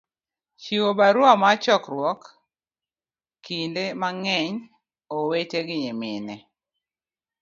Chiwo barua mar chokruok, Kinde mang'eny, owete gi nyimine